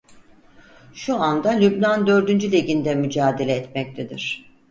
Şu anda Lübnan Dördüncü Ligi'nde mücadele etmektedir.